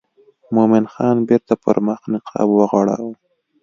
مومن خان بیرته پر مخ نقاب وغوړاوه.